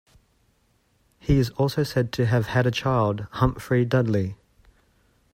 He is also said to have had a child, Humphrey Dudley.